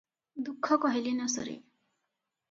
ଦୁଃଖ କହିଲେ ନ ସରେ ।